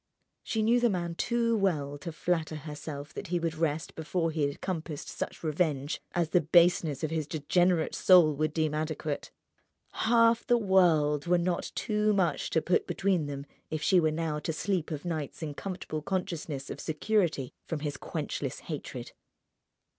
She knew the man too well to flatter herself that he would rest before he had compassed such revenge as the baseness of his degenerate soul would deem adequate. Half the world were not too much to put between them if she were now to sleep of nights in comfortable consciousness of security from his quenchless hatred.